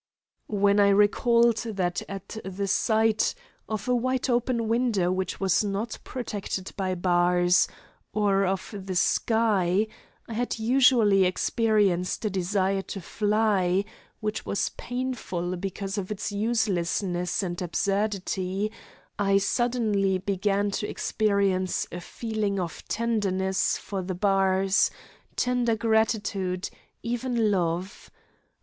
When I recalled that at the sight of a wide open window, which was not protected by bars, or of the sky, I had usually experienced a desire to fly, which was painful because of its uselessness and absurdity I suddenly began to experience a feeling of tenderness for the bars; tender gratitude, even love.